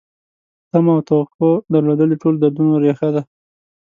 تمه او توقع درلودل د ټولو دردونو ریښه ده.